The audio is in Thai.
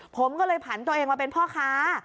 ผมก็เลยผันตัวเองมาเป็นพ่อค้า